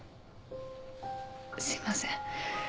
すいません。